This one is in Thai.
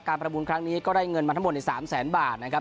ประมูลครั้งนี้ก็ได้เงินมาทั้งหมดใน๓แสนบาทนะครับ